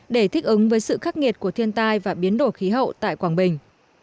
để thích ứng với sự khắc nghiệt của thiên tai và biến đổi khí hậu tại quảng bình